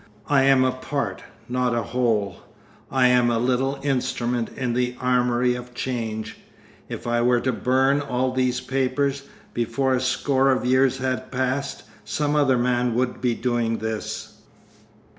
I am a part, not a whole; I am a little instrument in the armoury of Change. If I were to burn all these papers, before a score of years had passed, some other man would be doing this.